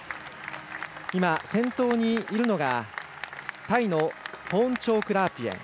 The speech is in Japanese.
先頭にいるのがタイのポーンチョーク・ラープイェン。